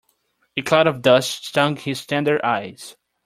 A cloud of dust stung his tender eyes.